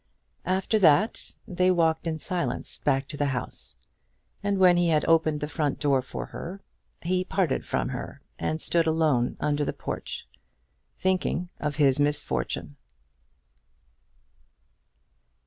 After that they walked in silence back to the house, and when he had opened the front door for her, he parted from her and stood alone under the porch, thinking of his misfortune.